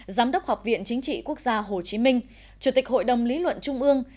giám đốc học viện chính trị quốc gia hồ chí minh chủ tịch hội đồng lý luận trung ương